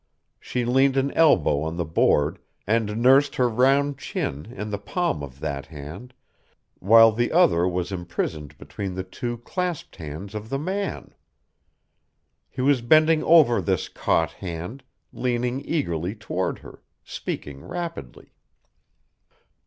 She leaned an elbow on the board and nursed her round chin in the palm of that hand, while the other was imprisoned between the two clasped hands of the man. He was bending over this caught hand, leaning eagerly toward her, speaking rapidly.